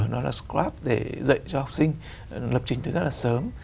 nó là grab để dạy cho học sinh lập trình từ rất là sớm